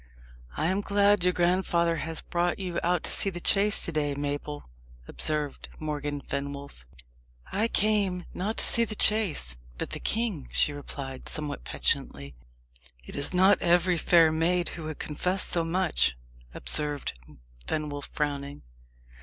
"I am glad your grandfather has brought you out to see the chase to day, Mabel," observed Morgan Fenwolf. "I dame not to see the chase, but the king," she replied, somewhat petulantly. "It is not every fair maid who would confess so much," observed Fenwolf, frowning.